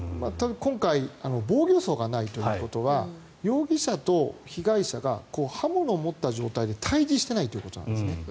今回、防御創がないということは容疑者と被害者が刃物を持った状態で対峙していないということなんですね。